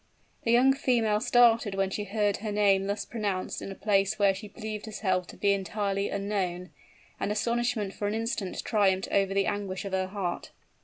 The young female started when she heard her name thus pronounced in a place where she believed herself to be entirely unknown; and astonishment for an instant triumphed over the anguish of her heart.